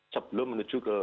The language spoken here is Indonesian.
sebelum menuju ke